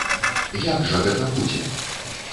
Як жа гэта будзе?